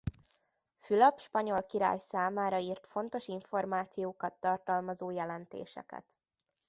Fülöp spanyol király számára írt fontos információkat tartalmazó jelentéseket.